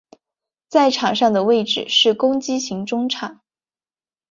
在场上的位置是攻击型中场。